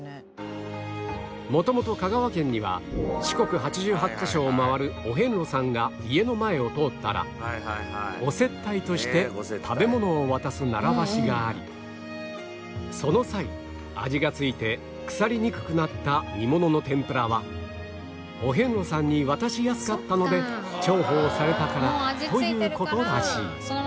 元々香川県には四国８８カ所を回るお遍路さんが家の前を通ったらお接待として食べ物を渡す習わしがありその際味が付いて腐りにくくなった煮物の天ぷらはお遍路さんに渡しやすかったので重宝されたからという事らしい